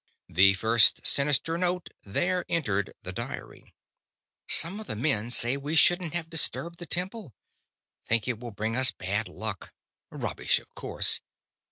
The first sinister note there entered the diary: "Some of the men say we shouldn't have disturbed the temple. Think it will bring us bad luck. Rubbish, of course.